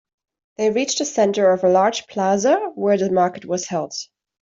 They reached the center of a large plaza where the market was held.